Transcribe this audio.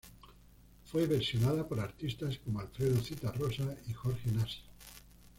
Fue versionada por artistas como Alfredo Zitarrosa y Jorge Nasser.